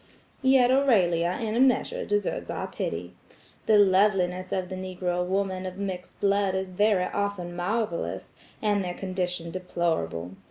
Yet Aurelia in a measure deserves our pity. The loveliness of Negro women of mixed blood is very often marvellous, and their condition deplorable.